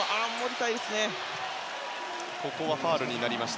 ここはファウルになりました。